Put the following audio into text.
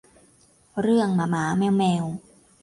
เรื่องหมาหมาแมวแมว